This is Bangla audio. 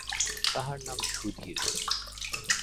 তাহার নাম সুধীর।